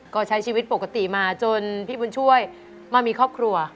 ก็ใช้ชีวิตปกติมาจนพี่บุญช่วยมามีครอบครัว